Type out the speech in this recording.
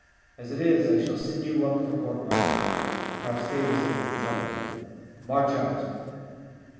As it is, I shall send you up for court martial. Perhaps they will save me the trouble. March out."